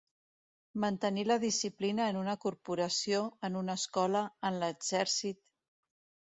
Mantenir la disciplina en una corporació, en una escola, en l'exèrcit.